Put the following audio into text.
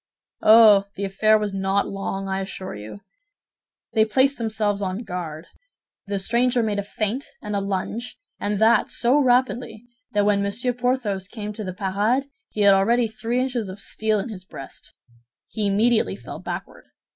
"Oh! The affair was not long, I assure you. They placed themselves on guard; the stranger made a feint and a lunge, and that so rapidly that when Monsieur Porthos came to the parade, he had already three inches of steel in his breast. He immediately fell backward.